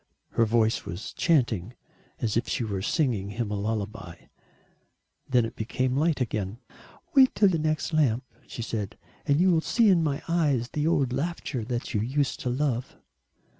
Her voice was chanting as if she were singing him a lullaby then it became light again. "Wait till the next lamp," she said. "And you will see in my eyes the old laughter that you used to love."